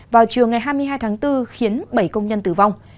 vào chiều ngày hai mươi hai tháng bốn khiến bảy công nhân tử vong